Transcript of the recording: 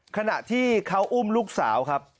ขณะที่เขาอุ้มลูกสาวครับ